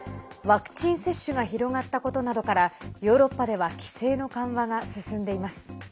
ワクチン接種が広がったことなどからヨーロッパでは規制の緩和が進んでいます。